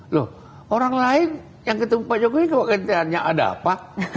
loh orang lain yang ketemu pak jokowi kalau gantiannya ada apa